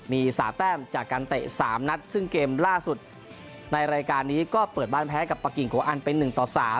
มี๓แต้มจากการเตะ๓นัดซึ่งเกมล่าสุดในรายการนี้ก็เปิดบ้านแพ้กับปะกิ่งโกอันเป็น๑ต่อ๓